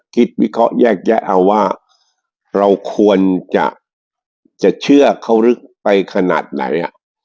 วิเคราะห์แยกแยะเอาว่าเราควรจะเชื่อเขาลึกไปขนาดไหน